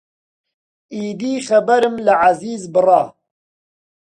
ئیدی خەبەرم لە عەزیز بڕا